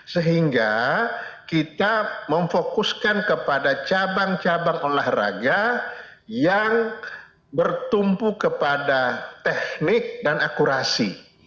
sehingga kita memfokuskan kepada cabang cabang olahraga yang bertumpu kepada teknik dan akurasi